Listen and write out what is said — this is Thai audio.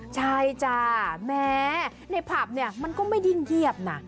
ใช่จ้าแม้ในผับเนี่ยมันก็ไม่ยิ่งเงียบนะ